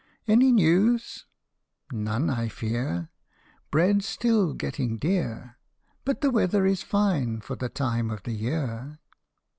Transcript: Any news ? None, I fear : Bread 's still getting dear, But the weather is fine for the time of the year.